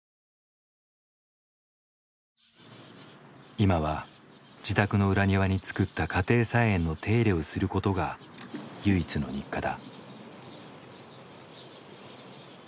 今は自宅の裏庭につくった家庭菜園の手入れをすることが唯一の日課だ。